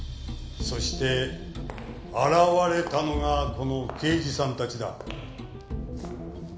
そして現れたのがこの刑事さんたちだ。